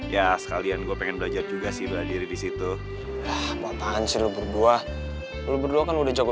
ya sekalian gua pengen belajar juga sih beladiri disitu ah apaan sih lu berdua dua kan udah jago